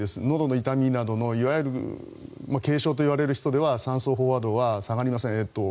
のどの痛みなどのいわゆる軽症の人は酸素飽和度は下がりません。